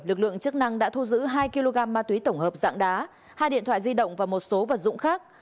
lực lượng chức năng đã thu giữ hai kg ma túy tổng hợp dạng đá hai điện thoại di động và một số vật dụng khác